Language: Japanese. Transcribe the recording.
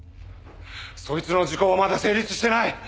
そいつの時効はまだ成立してない！